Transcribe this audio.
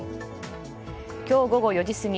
今日午後４時過ぎ